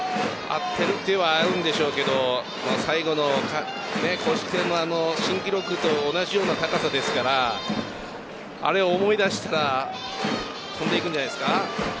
合ってるといえば合うんでしょうけど最後の新記録と同じような高さですからあれを思い出したら飛んでいくんじゃないですか。